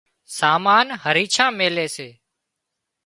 سامان هريڇان ميلي سي